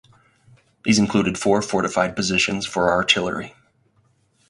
These included four fortified positions for artillery.